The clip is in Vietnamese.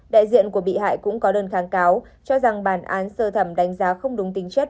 đại diện của bị hại cũng có đơn kháng cáo cho rằng bản án sơ thẩm đánh giá không đúng tính chất